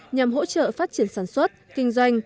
nhằm hỗ trợ phát triển tài khoá